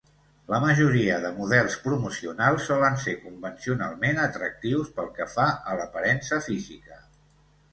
La majoria de models promocionals solen ser convencionalment atractius pel que fa a l'aparença física.